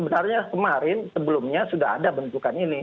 karena kemarin sebelumnya sudah ada bentukan ini